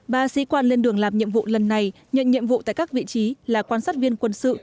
ba sĩ quan lên đường làm nhiệm vụ lần này nhận nhiệm vụ tại các vị trí là quan sát viên quân sự